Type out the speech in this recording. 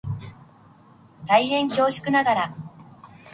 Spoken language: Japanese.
大変恐縮ながら